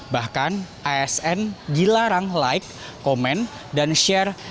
bahkan asn dilarang like komen dan share